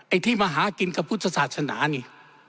ที่มาหากินกับพุทธศาสนานี่